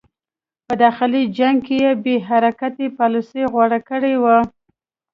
په داخلي جنګ کې یې بې حرکتي پالیسي غوره کړې وه.